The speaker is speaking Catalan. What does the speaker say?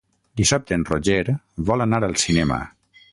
Dissabte en Roger vol anar al cinema.